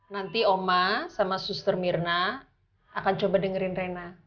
nanti oma sama suster mirna akan coba dengerin rena